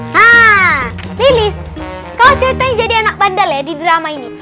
hah lilis kau ceritanya jadi anak bandel ya di drama ini